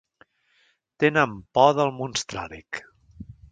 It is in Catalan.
Tenen por del Monstràl·lic.